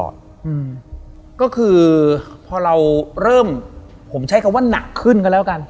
เราเริ่มผมใช้คำว่าหนักขึ้นกันแล้วกัน